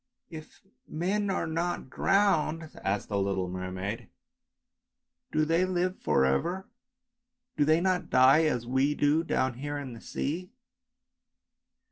" If men are not drowned," asked the little mermaid, " do they live for ever, do they not die as we do down here in the sea